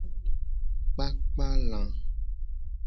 Kpakpa la.